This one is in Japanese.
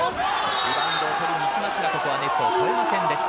リバウンド取りに行きますがここはネットを越えませんでした。